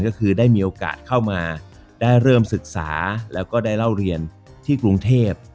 ก็คือได้มีโอกาสเข้ามาได้เริ่มศึกษาแล้วก็ได้เล่าเรียนที่กรุงเทพ